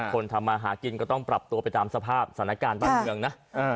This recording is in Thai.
ทำมาหากินก็ต้องปรับตัวไปตามสภาพสถานการณ์บ้านเมืองนะ